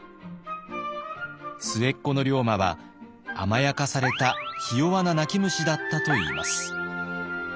末っ子の龍馬は甘やかされたひ弱な泣き虫だったといいます。